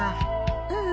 うん。